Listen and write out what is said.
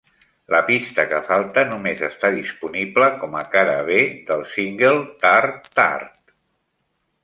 La pista que falta només està disponible com a cara B del single "Tart Tart".